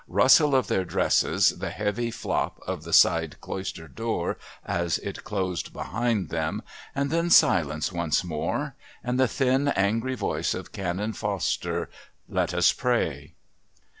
Rustle of their dresses, the heavy flop of the side Cloister door as it closed behind them, and then silence once more and the thin angry voice of Canon Foster, "Let us pray."